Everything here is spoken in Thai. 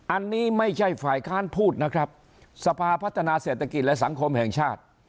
อันนี้ไม่ใช่ฝ่ายค้านพูดนะครับสภาพัฒนาเศรษฐกิจและสังคมแห่งชาติ